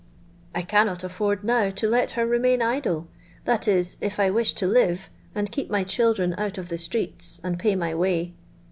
]I cannot aiford now to let her remain idle — that is, if I with to live, and keep my children out of the streeLs, and pay my way.